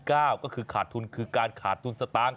ก็คือขาดทุนคือการขาดทุนสตางค์